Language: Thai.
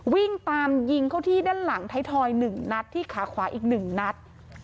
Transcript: วิ่งตามยิงเข้าที่ด้านหลังไทยทอย๑นัดที่ขาขวาอีก๑นัด